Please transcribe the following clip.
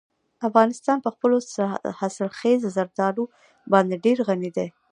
افغانستان په خپلو حاصلخیزه زردالو باندې ډېر غني دی.